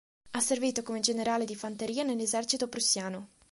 Ha servito come generale di fanteria nell'esercito prussiano.